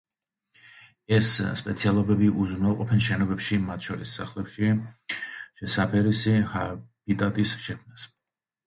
ეს სპეციალობები უზრუნველყოფენ შენობებში, მათ შორის სახლებში შესაფერისი ჰაბიტატის შექმნას.